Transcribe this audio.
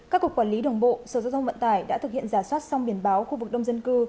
các cuộc quản lý đồng bộ sở giao thông vận tải đã thực hiện giả soát song biển báo khu vực đông dân cư